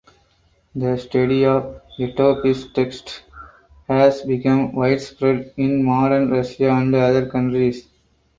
The study of letopis texts has become widespread in modern Russia and other countries.